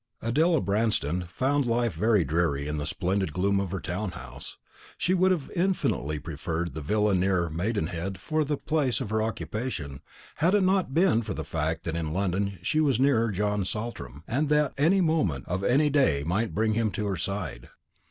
Adela Branston found life very dreary in the splendid gloom of her town house. She would have infinitely preferred the villa near Maidenhead for the place of her occupation, had it not been for the fact that in London she was nearer John Saltram, and that any moment of any day might bring him to her side.